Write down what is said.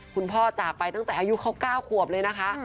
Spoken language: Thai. จากไปตั้งแต่อายุเขา๙ขวบเลยนะคะ